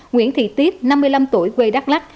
nguyễn thị tiếp năm mươi năm tuổi quê đắk lắc